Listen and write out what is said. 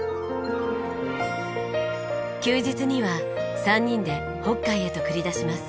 休日には３人で北海へと繰り出します。